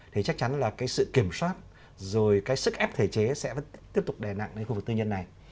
thì chắc chắn là cái sự kiểm soát rồi cái sức ép thể chế sẽ vẫn tiếp tục đè nặng lên khu vực tư nhân này